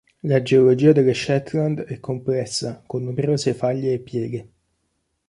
La geologia delle Shetland è complessa, con numerose faglie e pieghe.